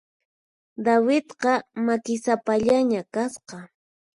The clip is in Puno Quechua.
Davidqa makisapallaña kasqa.